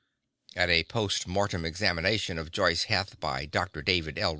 At a post mortem examination of Joice Heth by Dr. David L.